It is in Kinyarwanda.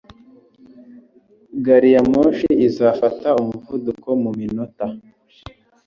Gari ya moshi izafata umuvuduko mu minota.